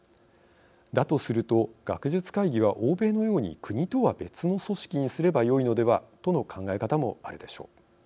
だとすると、学術会議は欧米のように、国とは別の組織にすればよいのではとの考え方もあるでしょう。